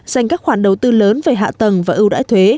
dành các khoản đầu tư lớn về hạ tầng và ưu đãi thuế